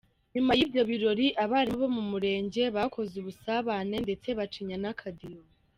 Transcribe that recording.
Nyuma y’ibyo birori abarimu bo mu murenge bakoze ubusabane ndetse bacinya n’akadiho.